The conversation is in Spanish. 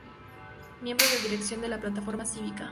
Miembro de dirección de la Plataforma Cívica.